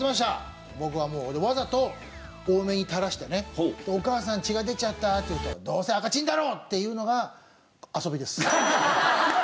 僕はもうわざと多めに垂らしてね「お母さん血が出ちゃった」って言うと「どうせ赤チンだろ！」っていうのが遊びです。